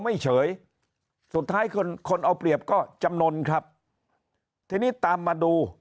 ไม่เฉยสุดท้ายคนคนเอาเปรียบก็จำนวนครับทีนี้ตามมาดู